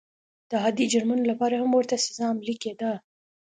د عادي جرمونو لپاره هم ورته سزا عملي کېده.